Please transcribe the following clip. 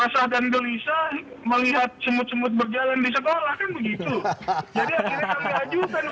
resah dan gelisah melihat semut semut berjalan di sekolah kan begitu